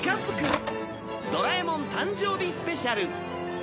『ドラえもん』誕生日スペシャル